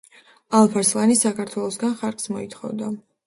ალფ-არსლანი ქართველთაგან ხარკს მოითხოვდა.